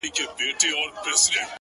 • يو تر بله هم په عقل گړندي وه,